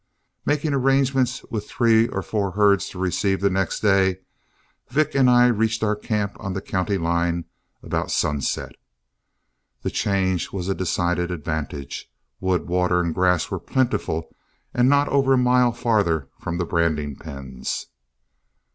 Making arrangements with three of the four herds to receive the next day, Vick and I reached our camp on the county line about sunset. The change was a decided advantage; wood, water, and grass were plentiful, and not over a mile farther from the branding pens.